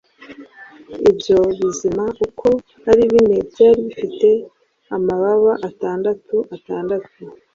Ibyo bizima uko ari bine byari bifite amababa atandatu atandatu,